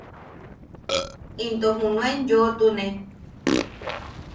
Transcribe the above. Into junuen yoʼotune.